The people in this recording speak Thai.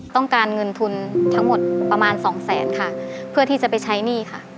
ต้องการเงินทุนทั้งหมดประมาณสองแสนค่ะเพื่อที่จะไปใช้หนี้ค่ะ